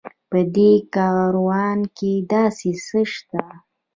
په دې کاروان کې داسې څه شته.